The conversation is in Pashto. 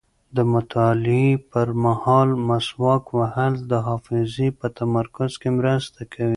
د مطالعې پر مهال مسواک وهل د حافظې په تمرکز کې مرسته کوي.